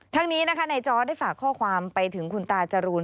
ทั้งนี้นะคะในจอร์ดได้ฝากข้อความไปถึงคุณตาจรูน